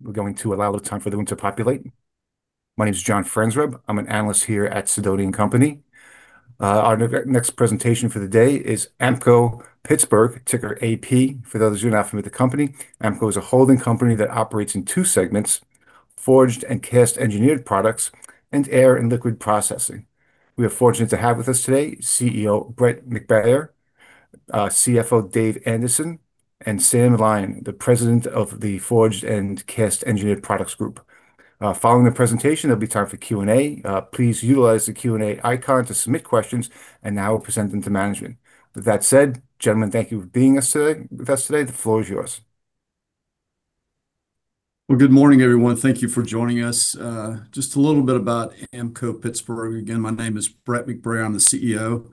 We're going to allow the time for them to populate. My name is John Franzreb. I'm an analyst here at Sidoti & Company. Our next presentation for the day is Ampco-Pittsburgh, ticker AP. For those who are not familiar with the company, Ampco is a holding company that operates in two segments: Forged and Cast Engineered Products and Air and Liquid Processing. We are fortunate to have with us today CEO Brett McBrayer, CFO Dave Anderson, and Sam Lyon, the president of the Forged and Cast Engineered Products group. Following the presentation, there'll be time for Q&A. Please utilize the Q&A icon to submit questions, and now we'll present them to management. With that said, gentlemen, thank you for being with us today. The floor is yours. Good morning, everyone. Thank you for joining us. Just a little bit about Ampco-Pittsburgh. Again, my name is Brett McBrayer. I'm the CEO.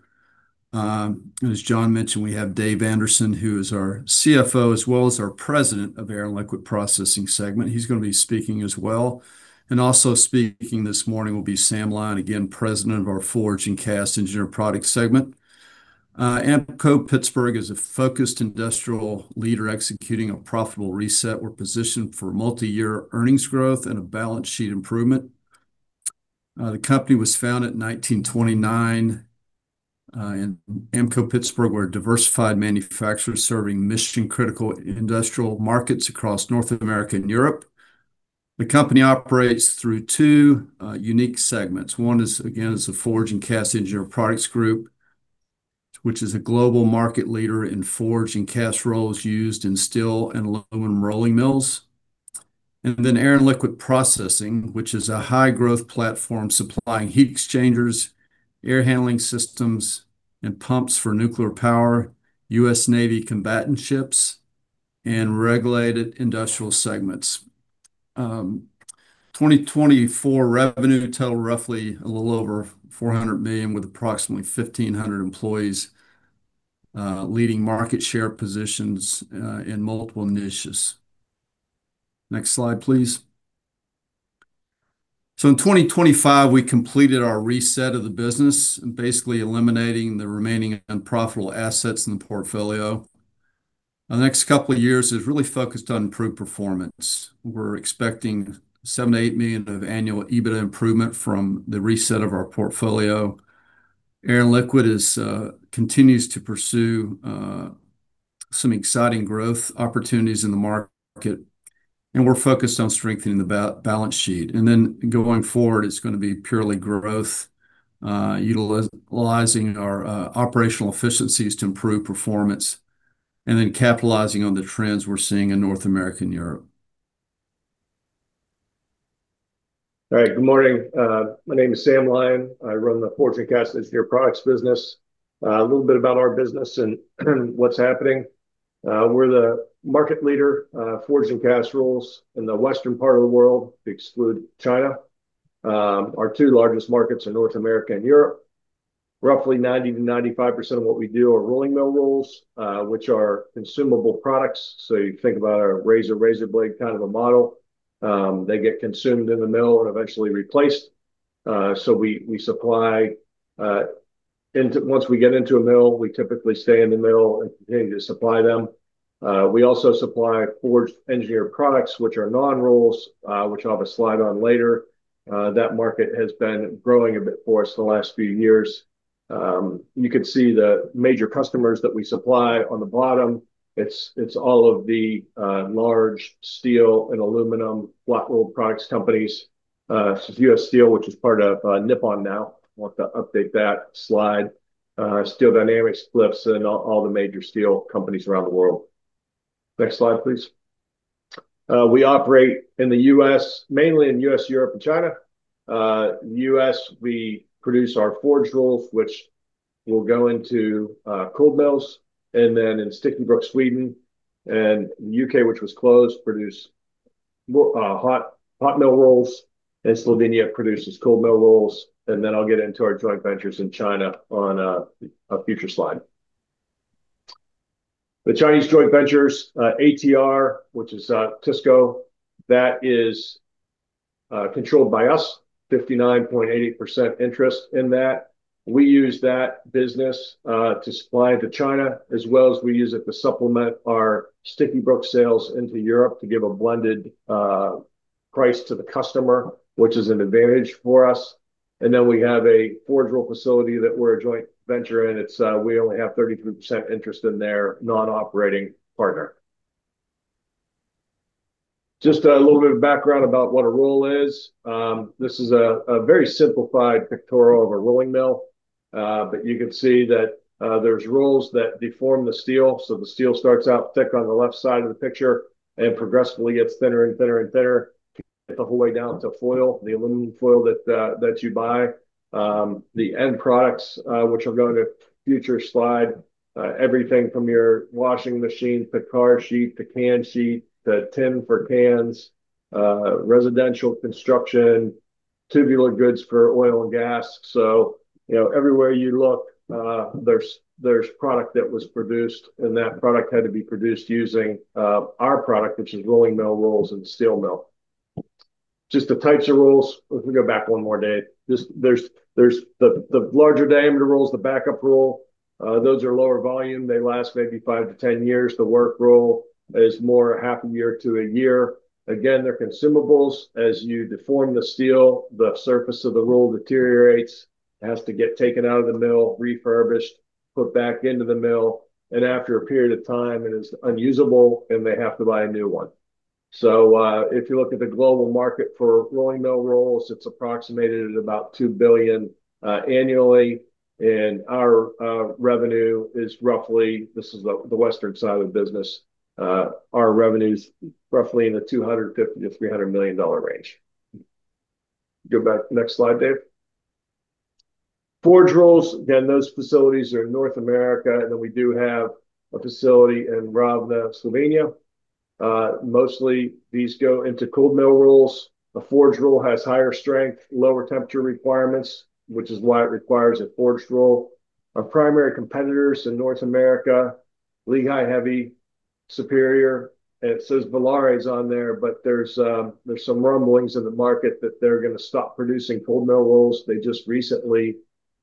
As John mentioned, we have Dave Anderson, who is our CFO, as well as our president of the Air and Liquid Processing segment. He's going to be speaking as well. Also speaking this morning will be Sam Lyon, again, president of our forged and cast engineered product segment. Ampco-Pittsburgh is a focused industrial leader executing a profitable reset. We're positioned for multi-year earnings growth and a balance sheet improvement. The company was founded in 1929 in Ampco-Pittsburgh, a diversified manufacturer serving mission-critical industrial markets across North America and Europe. The company operates through two unique segments. One is, again, the Forged and Cast Engineered Products group, which is a global market leader in forged and cast rolls used in steel and aluminum rolling mills. And then Air and Liquid Processing, which is a high-growth platform supplying heat exchangers, air handling systems, and pumps for nuclear power, U.S. Navy combatant ships, and regulated industrial segments. 2024 revenue totaled roughly a little over $400 million, with approximately 1,500 employees leading market share positions in multiple niches. Next slide, please. In 2025, we completed our reset of the business, basically eliminating the remaining unprofitable assets in the portfolio. The next couple of years is really focused on improved performance. We're expecting $7-$8 million of annual EBITDA improvement from the reset of our portfolio. Air and Liquid continues to pursue some exciting growth opportunities in the market, and we're focused on strengthening the balance sheet. Going forward, it's going to be purely growth, utilizing our operational efficiencies to improve performance, and then capitalizing on the trends we're seeing in North America and Europe. All right. Good morning. My name is Sam Lyon. I run the Forged and Cast Engineered Products business. A little bit about our business and what's happening. We're the market leader forged and cast rolls in the western part of the world, excluding China. Our two largest markets are North America and Europe. Roughly 90%-95% of what we do are rolling mill rolls, which are consumable products. So you think about a razor-razor blade kind of a model. They get consumed in the mill and eventually replaced. So we supply once we get into a mill, we typically stay in the mill and continue to supply them. We also supply forged engineered products, which are non-rolls, which I'll have a slide on later. That market has been growing a bit for us the last few years. You can see the major customers that we supply on the bottom. It's all of the large steel and aluminum flat rolled products companies. It's U.S. Steel, which is part of Nippon now. I want to update that slide. Steel Dynamics, Cleveland-Cliffs, and all the major steel companies around the world. Next slide, please. We operate in the U.S., mainly in the U.S., Europe, and China. In the U.S., we produce our forged rolls, which will go into cold mills, and then in Åkers Styckebruk, Sweden, and the U.K., which was closed, produce hot mill rolls, and Slovenia produces cold mill rolls. And then I'll get into our joint ventures in China on a future slide. The Chinese joint ventures, ATR, which is Åkers TISCO, that is controlled by us. 59.88% interest in that. We use that business to supply to China, as well as we use it to supplement our Åkers Styckebruk sales into Europe to give a blended price to the customer, which is an advantage for us. And then we have a forged roll facility that we're a joint venture in. We only have 33% interest in their non-operating partner. Just a little bit of background about what a roll is. This is a very simplified pictorial of a rolling mill, but you can see that there's rolls that deform the steel. So the steel starts out thick on the left side of the picture and progressively gets thinner and thinner and thinner to get the whole way down to foil, the aluminum foil that you buy. The end products, which are going to future slide, everything from your washing machine, the car sheet, the can sheet, the tin for cans, residential construction, tubular goods for oil and gas. So everywhere you look, there's product that was produced, and that product had to be produced using our product, which is rolling mill rolls and steel mill. Just the types of rolls. We can go back one more day. There's the larger diameter rolls, the backup roll. Those are lower volume. They last maybe five to 10 years. The work roll is more half a year to a year. Again, they're consumables. As you deform the steel, the surface of the roll deteriorates, has to get taken out of the mill, refurbished, put back into the mill, and after a period of time, it is unusable, and they have to buy a new one. So if you look at the global market for rolling mill rolls, it's approximated at about $2 billion annually. And our revenue is roughly; this is the western side of the business. Our revenue is roughly in the $250-$300 million range. Go back. Next slide, Dave. Forged rolls, again, those facilities are in North America, and then we do have a facility in Ravne, Slovenia. Mostly, these go into cold mill rolls. A forged roll has higher strength, lower temperature requirements, which is why it requires a forged roll. Our primary competitors in North America: Lehigh Heavy, Superior. It says Villares on there, but there's some rumblings in the market that they're going to stop producing cold mill rolls. They just recently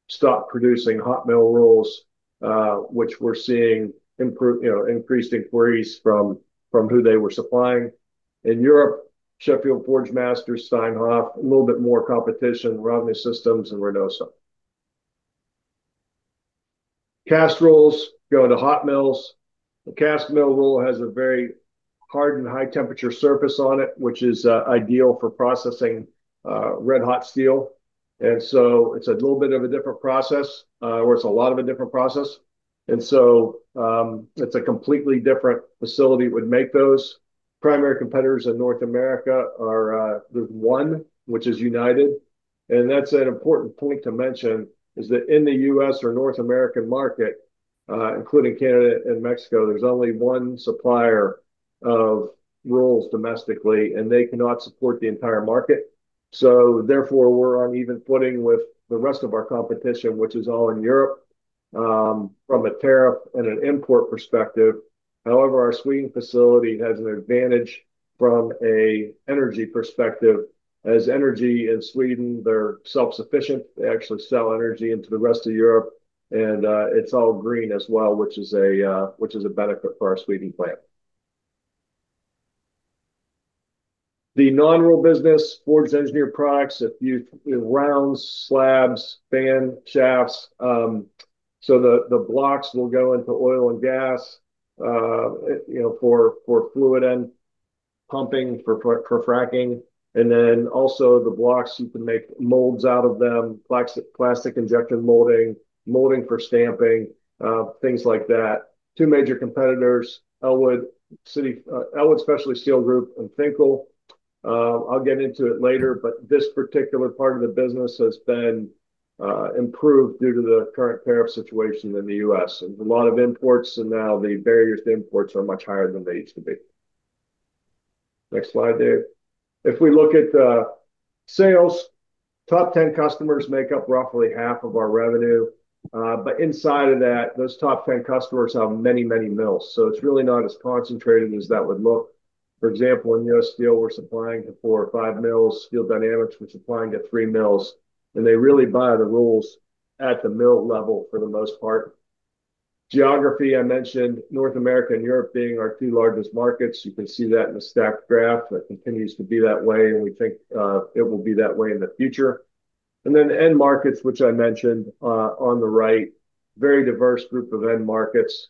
stopped producing hot mill rolls, which we're seeing increased inquiries from who they were supplying. In Europe, Sheffield Forgemasters, Steinhoff, a little bit more competition, Ravne Systems, and Reinosa. Cast rolls go to hot mills. The cast mill roll has a very hard and high-temperature surface on it, which is ideal for processing red hot steel. And so it's a little bit of a different process, or it's a lot of a different process. And so it's a completely different facility would make those. Primary competitors in North America are. There's one, which is United. And that's an important point to mention is that in the U.S. or North American market, including Canada and Mexico, there's only one supplier of rolls domestically, and they cannot support the entire market. So therefore, we're on even footing with the rest of our competition, which is all in Europe from a tariff and an import perspective. However, our Sweden facility has an advantage from an energy perspective, as energy in Sweden, they're self-sufficient. They actually sell energy into the rest of Europe, and it's all green as well, which is a benefit for our Sweden plant. The non-roll business, forged engineered products, think rounds, slabs, fan shafts. So the blocks will go into oil and gas for fluid and pumping for fracking. And then also the blocks, you can make molds out of them, plastic injection molding, molding for stamping, things like that. Two major competitors: Ellwood Specialty Steel and Finkl. I'll get into it later, but this particular part of the business has been improved due to the current tariff situation in the U.S. There's a lot of imports, and now the barriers to imports are much higher than they used to be. Next slide, Dave. If we look at sales, top 10 customers make up roughly half of our revenue. But inside of that, those top 10 customers have many, many mills. So it's really not as concentrated as that would look. For example, in U.S. Steel, we're supplying to four or five mills. Steel Dynamics, we're supplying to three mills. And they really buy the rolls at the mill level for the most part. Geography, I mentioned, North America and Europe being our two largest markets. You can see that in the stacked graph. That continues to be that way, and we think it will be that way in the future. And then end markets, which I mentioned on the right, very diverse group of end markets,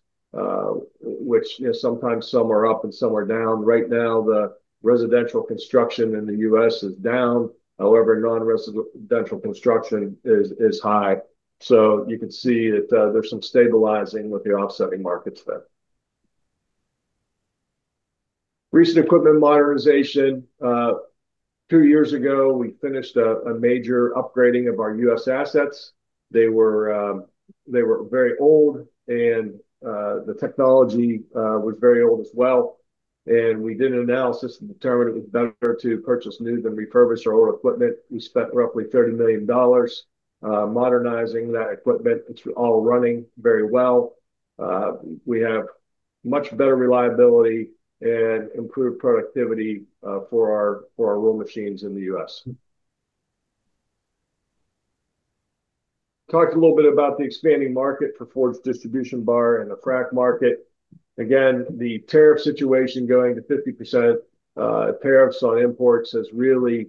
which sometimes some are up and some are down. Right now, the residential construction in the U.S. is down. However, non-residential construction is high. So you can see that there's some stabilizing with the offsetting markets there. Recent equipment modernization. Two years ago, we finished a major upgrading of our U.S. assets. They were very old, and the technology was very old as well. And we did an analysis and determined it was better to purchase new than refurbish our old equipment. We spent roughly $30 million modernizing that equipment. It's all running very well. We have much better reliability and improved productivity for our roll machines in the U.S. Talked a little bit about the expanding market for forged distribution bar and the fracking market. Again, the tariff situation going to 50% tariffs on imports has really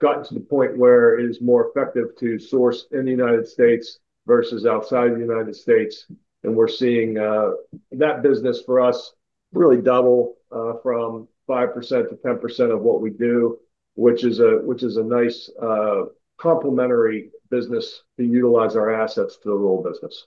gotten to the point where it is more effective to source in the United States versus outside the United States. We're seeing that business for us really double from 5%-10% of what we do, which is a nice complementary business to utilize our assets to the roll business.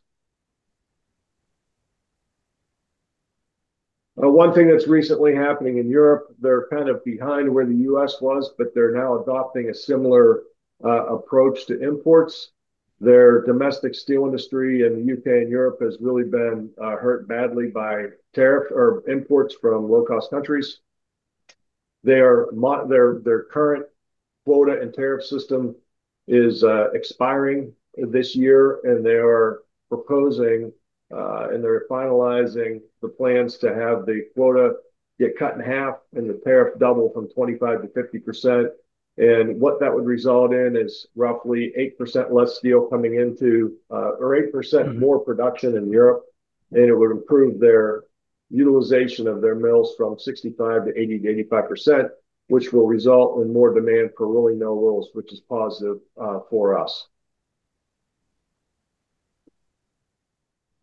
One thing that's recently happening in Europe, they're kind of behind where the U.S. was, but they're now adopting a similar approach to imports. Their domestic steel industry in the U.K. and Europe has really been hurt badly by tariffs or imports from low-cost countries. Their current quota and tariff system is expiring this year, and they are proposing and they're finalizing the plans to have the quota get cut in half and the tariff double from 25%-50%. What that would result in is roughly 8% less steel coming into or 8% more production in Europe. It would improve their utilization of their mills from 65% to 80% to 85%, which will result in more demand for rolling mill rolls, which is positive for us.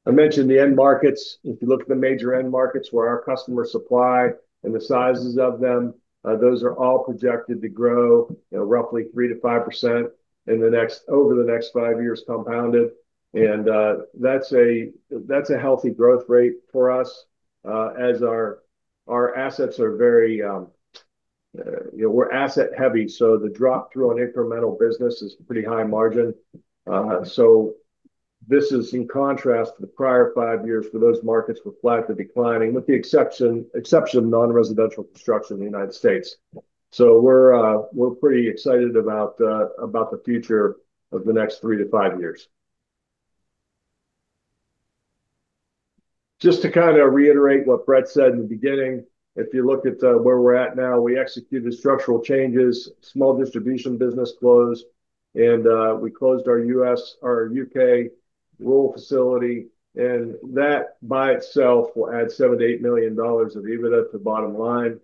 I mentioned the end markets. If you look at the major end markets where our customers supply and the sizes of them, those are all projected to grow roughly three to five percent over the next five years compounded. That's a healthy growth rate for us as our assets are very, we're asset-heavy. The drop-through on incremental business is pretty high margin. This is in contrast to the prior five years where those markets were flat to declining, with the exception of non-residential construction in the United States. We're pretty excited about the future of the next three to five years. Just to kind of reiterate what Brett said in the beginning, if you look at where we're at now, we executed structural changes, small distribution business closed, and we closed our U.K. roll facility, and that by itself will add $7-$8 million of EBITDA to the bottom line.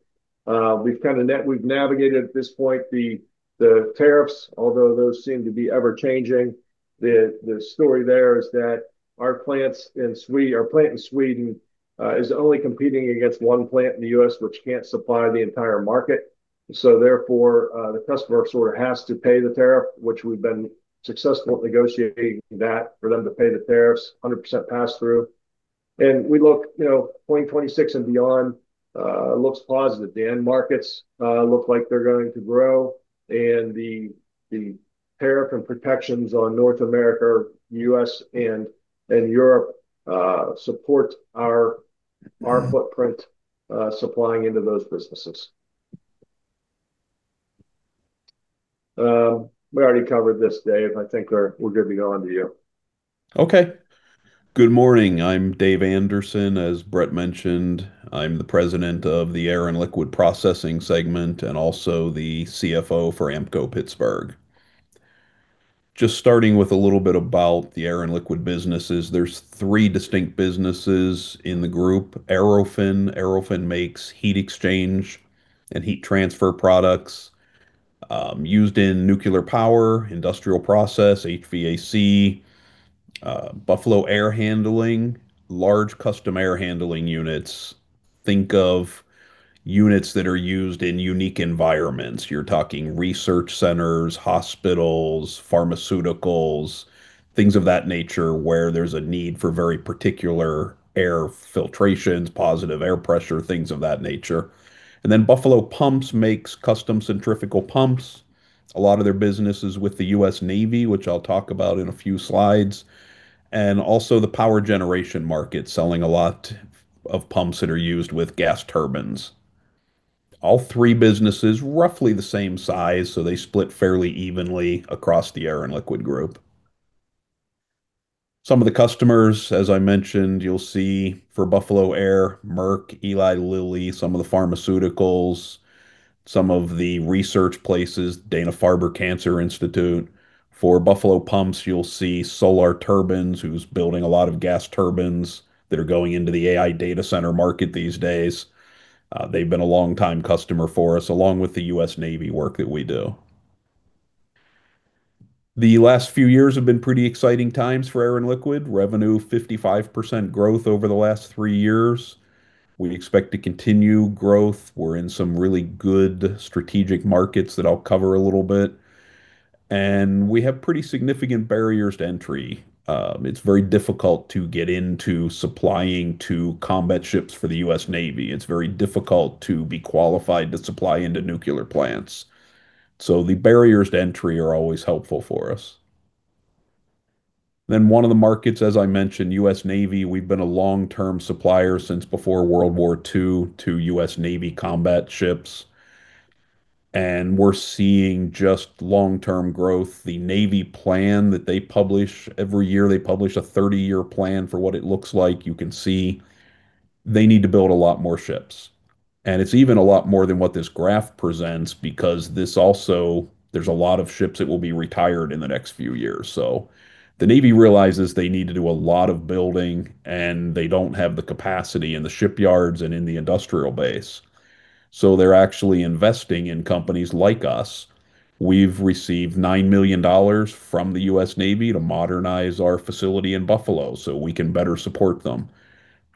We've navigated at this point the tariffs, although those seem to be ever-changing. The story there is that our plant in Sweden is only competing against one plant in the U.S., which can't supply the entire market. So therefore, the customer sort of has to pay the tariff, which we've been successful at negotiating that for them to pay the tariffs, 100% pass-through, and we look, 2026 and beyond looks positive. The end markets look like they're going to grow, and the tariff and protections on North America, U.S., and Europe support our footprint supplying into those businesses. We already covered this, Dave. I think we're good to go on to you. Okay. Good morning. I'm Dave Anderson, as Brett mentioned. I'm the President of the Air and Liquid Processing segment and also the CFO for Ampco-Pittsburgh. Just starting with a little bit about the air and liquid businesses, there's three distinct businesses in the group: Aerofin. Aerofin makes heat exchange and heat transfer products used in nuclear power, industrial process, HVAC, Buffalo Air Handling, large custom air handling units. Think of units that are used in unique environments. You're talking research centers, hospitals, pharmaceuticals, things of that nature where there's a need for very particular air filtrations, positive air pressure, things of that nature. And then Buffalo Pumps makes custom centrifugal pumps. A lot of their business is with the U.S. Navy, which I'll talk about in a few slides. Also the power generation market, selling a lot of pumps that are used with gas turbines. All three businesses, roughly the same size, so they split fairly evenly across the air and liquid group. Some of the customers, as I mentioned, you'll see for Buffalo Air, Merck, Eli Lilly, some of the pharmaceuticals, some of the research places, Dana-Farber Cancer Institute. For Buffalo Pumps, you'll see Solar Turbines, who's building a lot of gas turbines that are going into the AI data center market these days. They've been a long-time customer for us, along with the U.S. Navy work that we do. The last few years have been pretty exciting times for air and liquid. Revenue, 55% growth over the last three years. We expect to continue growth. We're in some really good strategic markets that I'll cover a little bit. We have pretty significant barriers to entry. It's very difficult to get into supplying to combat ships for the U.S. Navy. It's very difficult to be qualified to supply into nuclear plants. So the barriers to entry are always helpful for us. Then one of the markets, as I mentioned, U.S. Navy. We've been a long-term supplier since before World War II to U.S. Navy combat ships. And we're seeing just long-term growth. The Navy plan that they publish every year, they publish a 30-year plan for what it looks like. You can see they need to build a lot more ships. And it's even a lot more than what this graph presents because there's a lot of ships that will be retired in the next few years. So the Navy realizes they need to do a lot of building, and they don't have the capacity in the shipyards and in the industrial base. So they're actually investing in companies like us. We've received $9 million from the U.S. Navy to modernize our facility in Buffalo so we can better support them.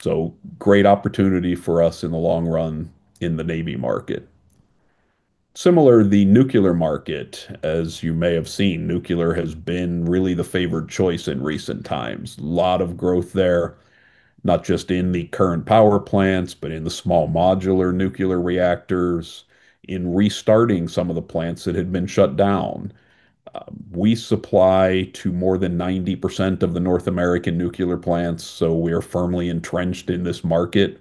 So great opportunity for us in the long run in the Navy market. Similarly, the nuclear market, as you may have seen, nuclear has been really the favored choice in recent times. A lot of growth there, not just in the current power plants, but in the small modular nuclear reactors, in restarting some of the plants that had been shut down. We supply to more than 90% of the North American nuclear plants, so we are firmly entrenched in this market.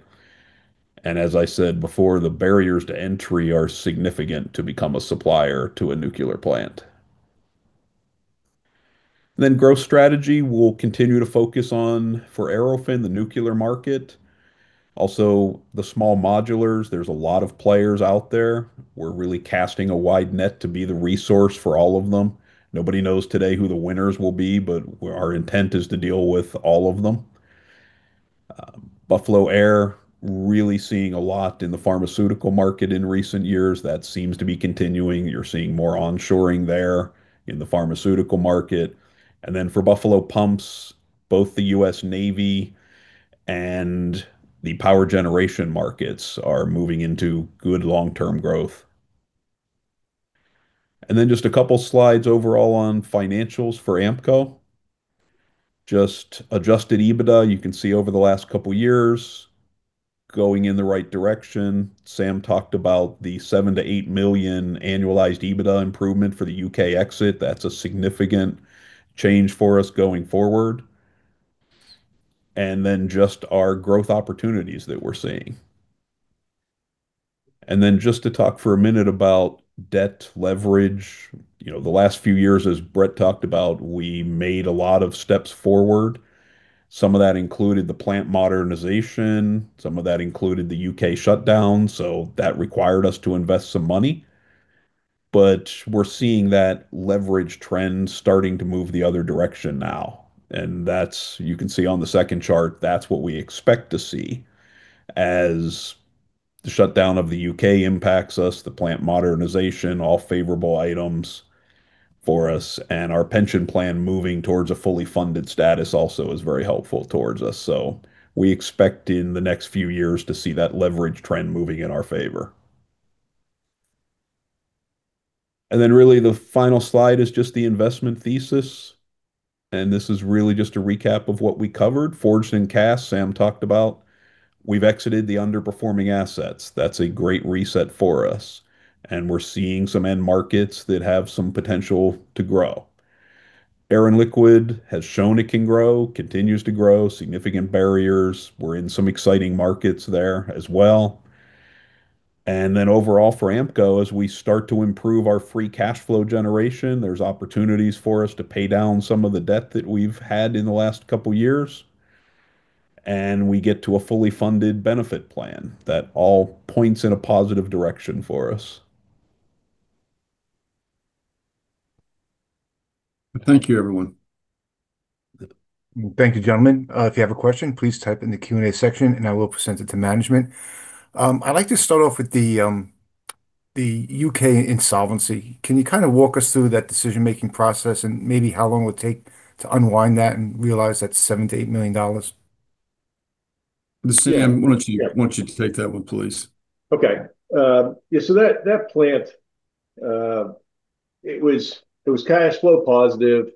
As I said before, the barriers to entry are significant to become a supplier to a nuclear plant. Growth strategy will continue to focus on, for Aerofin, the nuclear market. Also, the small modulars, there's a lot of players out there. We're really casting a wide net to be the resource for all of them. Nobody knows today who the winners will be, but our intent is to deal with all of them. Buffalo Air, really seeing a lot in the pharmaceutical market in recent years. That seems to be continuing. You're seeing more onshoring there in the pharmaceutical market. For Buffalo Pumps, both the U.S. Navy and the power generation markets are moving into good long-term growth. Just a couple of slides overall on financials for Ampco. Just adjusted EBITDA, you can see over the last couple of years going in the right direction. Sam talked about the $7 million-$8 million annualized EBITDA improvement for the U.K. exit. That's a significant change for us going forward. And then just our growth opportunities that we're seeing. And then just to talk for a minute about debt leverage. The last few years, as Brett talked about, we made a lot of steps forward. Some of that included the plant modernization. Some of that included the U.K. shutdown. So that required us to invest some money. But we're seeing that leverage trend starting to move the other direction now. And you can see on the second chart, that's what we expect to see as the shutdown of the U.K. impacts us, the plant modernization, all favorable items for us. And our pension plan moving towards a fully funded status also is very helpful towards us. So we expect in the next few years to see that leverage trend moving in our favor. And then really the final slide is just the investment thesis. And this is really just a recap of what we covered. Forged and Cast, Sam talked about. We've exited the underperforming assets. That's a great reset for us. And we're seeing some end markets that have some potential to grow. Air and Liquid has shown it can grow, continues to grow. Significant barriers. We're in some exciting markets there as well. And then overall for Ampco, as we start to improve our free cash flow generation, there's opportunities for us to pay down some of the debt that we've had in the last couple of years. And we get to a fully funded benefit plan that all points in a positive direction for us. Thank you, everyone. Thank you, gentlemen. If you have a question, please type in the Q&A section, and I will present it to management. I'd like to start off with the U.K. insolvency. Can you kind of walk us through that decision-making process and maybe how long it will take to unwind that and realize that's $7-$8 million? Sam, why don't you take that one, please? Okay. Yeah. So that plant, it was cash flow positive,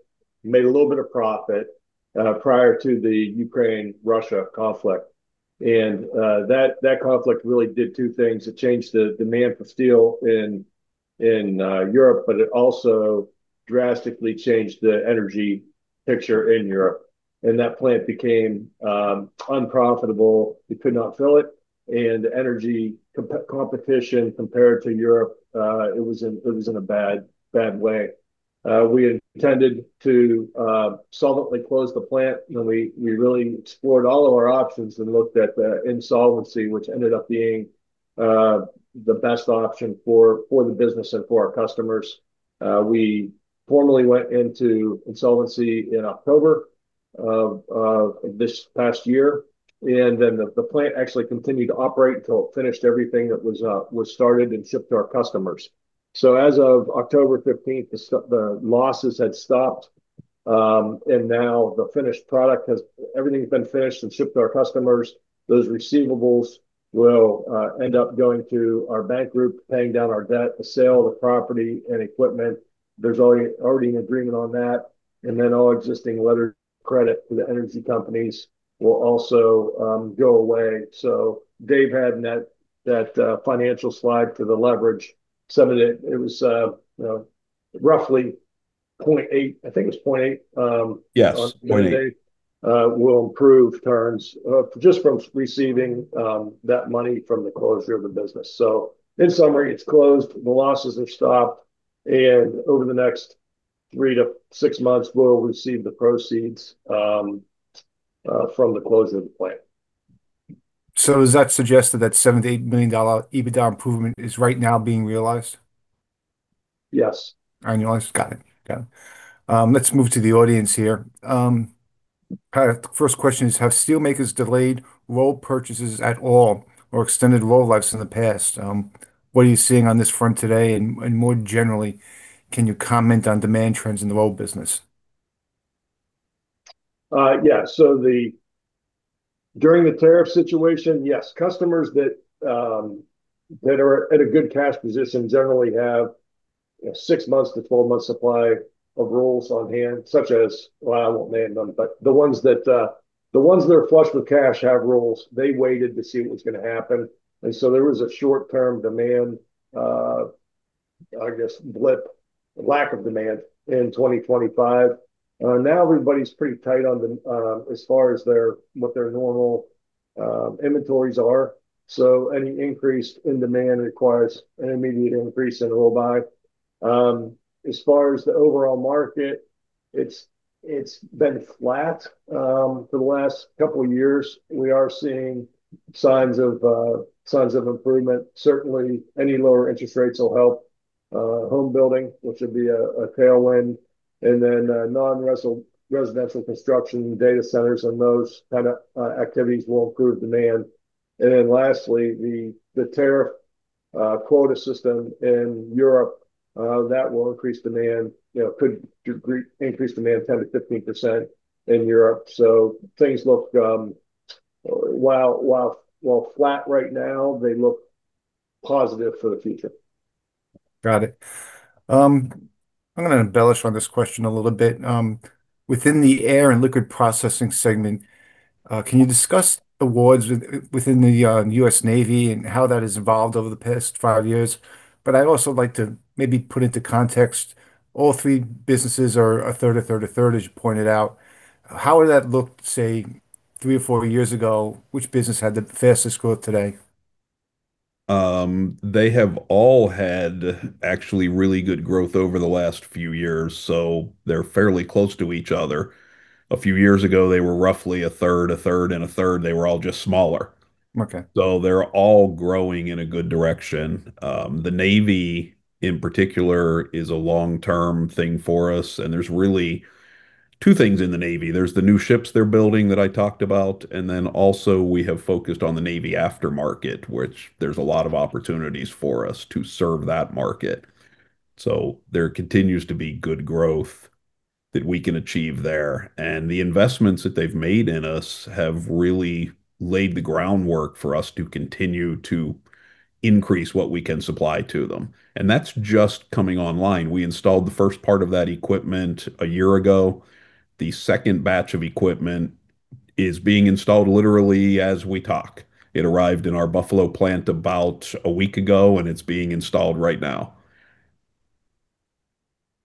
made a little bit of profit prior to the Ukraine-Russia conflict. And that conflict really did two things. It changed the demand for steel in Europe, but it also drastically changed the energy picture in Europe. And that plant became unprofitable. We could not fill it. The energy competition compared to Europe was in a bad way. We intended to solvently close the plant. We really explored all of our options and looked at the insolvency, which ended up being the best option for the business and for our customers. We formally went into insolvency in October of this past year. The plant actually continued to operate until it finished everything that was started and shipped to our customers. As of October 15th, the losses had stopped. Now the finished product has everything's been finished and shipped to our customers. Those receivables will end up going to our bank group, paying down our debt, the sale of the property and equipment. There's already an agreement on that. All existing letters of credit for the energy companies will also go away. Dave had that financial slide for the leverage. It was roughly 0.8. I think it was 0.8. Yes, 0.8. It will improve terms just from receiving that money from the closure of the business. In summary, it's closed. The losses have stopped. Over the next three to six months, we'll receive the proceeds from the closure of the plant. Is that suggested that $7-$8 million EBITDA improvement is right now being realized? Yes. Annualized. Got it. Got it. Let's move to the audience here. Kind of the first question is, have steelmakers delayed roll purchases at all or extended roll lives in the past? What are you seeing on this front today? And more generally, can you comment on demand trends in the roll business? Yeah. During the tariff situation, yes. Customers that are at a good cash position generally have a six-month to 12-month supply of rolls on hand, such as, well, I won't name them, but the ones that are flush with cash have rolls. They waited to see what was going to happen. And so there was a short-term demand, I guess, blip, lack of demand in 2025. Now everybody's pretty tight on as far as what their normal inventories are. So any increase in demand requires an immediate increase in roll buy. As far as the overall market, it's been flat for the last couple of years. We are seeing signs of improvement. Certainly, any lower interest rates will help home building, which would be a tailwind. And then non-residential construction, data centers, and those kind of activities will improve demand. And then lastly, the tariff quota system in Europe that will increase demand could increase demand 10%-15% in Europe. So things look flat right now; they look positive for the future. Got it. I'm going to elaborate on this question a little bit. Within the Air and Liquid Processing segment, can you discuss awards within the U.S. Navy and how that has evolved over the past five years? But I'd also like to maybe put into context; all three businesses are a third, a third, a third, as you pointed out. How would that look, say, three or four years ago? Which business had the fastest growth today? They have all had actually really good growth over the last few years. So they're fairly close to each other. A few years ago, they were roughly a third, a third, and a third. They were all just smaller. So they're all growing in a good direction. The Navy, in particular, is a long-term thing for us. And there's really two things in the Navy. There's the new ships they're building that I talked about. And then also we have focused on the Navy aftermarket, which there's a lot of opportunities for us to serve that market. So there continues to be good growth that we can achieve there. And the investments that they've made in us have really laid the groundwork for us to continue to increase what we can supply to them. And that's just coming online. We installed the first part of that equipment a year ago. The second batch of equipment is being installed literally as we talk. It arrived in our Buffalo plant about a week ago, and it's being installed right now.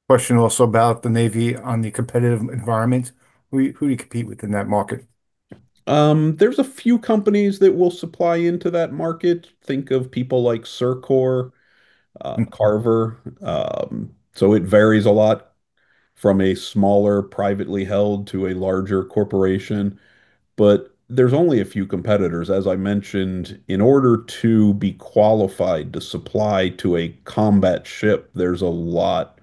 Question also about the Navy on the competitive environment. Who do you compete with in that market? There's a few companies that will supply into that market. Think of people like CIRCOR, Carver. So it varies a lot from a smaller privately held to a larger corporation. But there's only a few competitors. As I mentioned, in order to be qualified to supply to a combat ship, there's a lot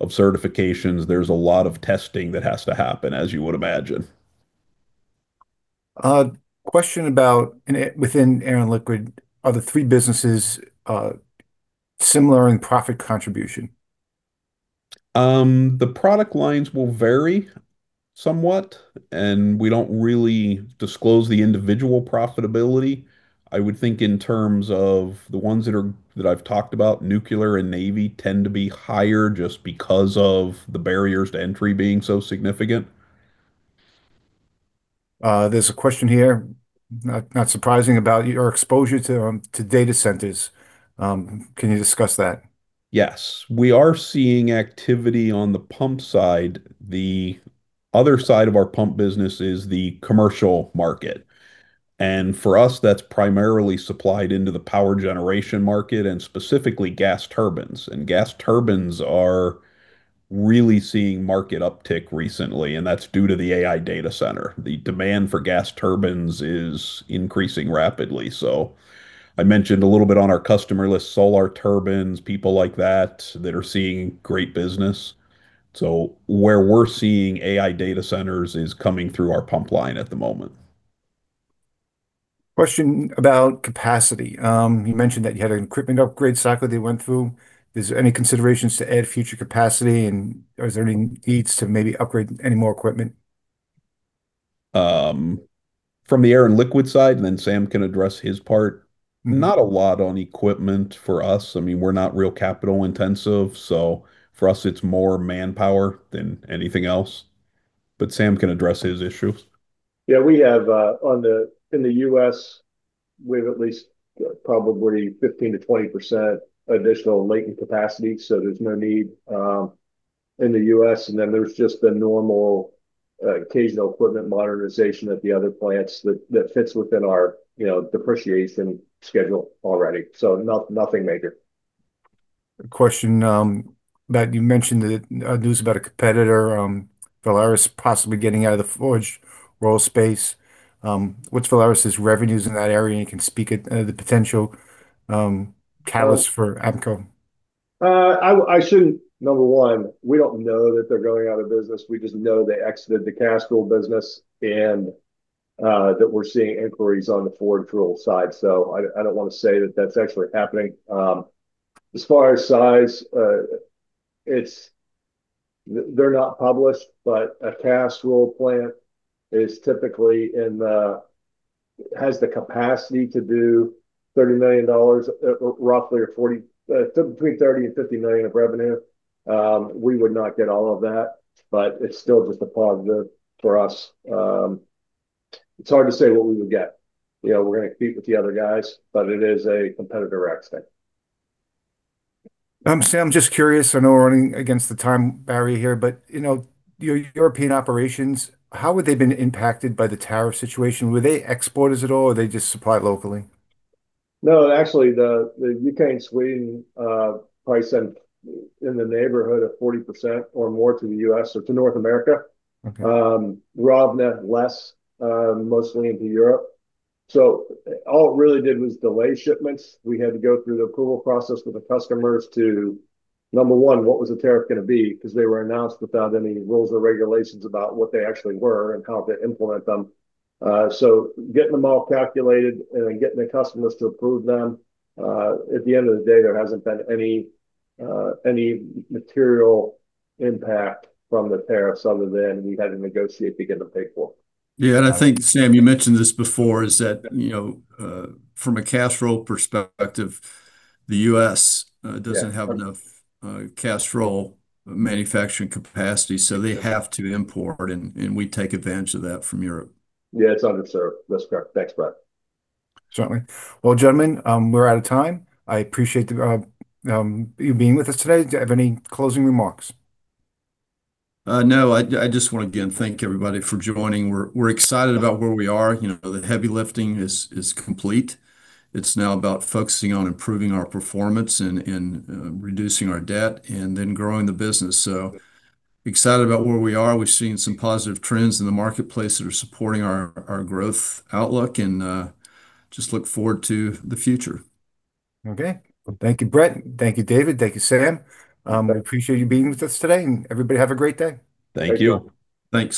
of certifications. There's a lot of testing that has to happen, as you would imagine. Question about within air and liquid, are the three businesses similar in profit contribution? The product lines will vary somewhat, and we don't really disclose the individual profitability. I would think in terms of the ones that I've talked about, nuclear and Navy tend to be higher just because of the barriers to entry being so significant. There's a question here, not surprising, about your exposure to data centers. Can you discuss that? Yes. We are seeing activity on the pump side. The other side of our pump business is the commercial market. And for us, that's primarily supplied into the power generation market and specifically gas turbines. And gas turbines are really seeing market uptick recently. And that's due to the AI data center. The demand for gas turbines is increasing rapidly. So I mentioned a little bit on our customer list, Solar Turbines, people like that that are seeing great business. So where we're seeing AI data centers is coming through our pump line at the moment. Question about capacity. You mentioned that you had an equipment upgrade cycle they went through. Is there any considerations to add future capacity, and is there any needs to maybe upgrade any more equipment? From the air and liquid side, and then Sam can address his part. Not a lot on equipment for us. I mean, we're not real capital intensive. So for us, it's more manpower than anything else. But Sam can address his issues. Yeah. In the U.S., we have at least probably 15%-20% additional latent capacity. So there's no need in the U.S. And then there's just the normal occasional equipment modernization at the other plants that fits within our depreciation schedule already. So nothing major. Question, Matt, you mentioned the news about a competitor, Villares, possibly getting out of the forged roll space. What's Villares's revenues in that area? And you can speak at the potential catalyst for Ampco. I shouldn't. Number one, we don't know that they're going out of business. We just know they exited the cast roll business and that we're seeing inquiries on the forged roll side. So I don't want to say that that's actually happening. As far as size, they're not published, but a cast roll plant is typically has the capacity to do $30 million, roughly between $30 million and $50 million of revenue. We would not get all of that, but it's still just a positive for us. It's hard to say what we would get. We're going to compete with the other guys, but it is a competitor exit thing. Sam, just curious. I know we're running against the time barrier here, but your European operations, how have they been impacted by the tariff situation? Were they exported at all, or are they just supplied locally? No, actually, the UK and Sweden probably sent in the neighborhood of 40% or more to the U.S. or to North America. Ravne less, mostly into Europe. So all it really did was delay shipments. We had to go through the approval process with the customers to, number one, what was the tariff going to be? Because they were announced without any rules or regulations about what they actually were and how to implement them. So getting them all calculated and then getting the customers to approve them, at the end of the day, there hasn't been any material impact from the tariffs other than we had to negotiate to get them paid for. Yeah. And I think, Sam, you mentioned this before, is that from a cast roll perspective, the U.S. doesn't have enough cast roll manufacturing capacity. So they have to import, and we take advantage of that from Europe. Yeah. It's underserved. That's correct. Thanks, Brad. Certainly. Well, gentlemen, we're out of time. I appreciate you being with us today. Do you have any closing remarks? No. I just want to, again, thank everybody for joining. We're excited about where we are. The heavy lifting is complete. It's now about focusing on improving our performance and reducing our debt and then growing the business. So excited about where we are. We're seeing some positive trends in the marketplace that are supporting our growth outlook and just look forward to the future. Okay. Well, thank you, Brett. Thank you, David. Thank you, Sam. I appreciate you being with us today, and everybody, have a great day. Thank you. Thanks.